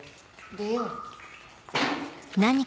出よう。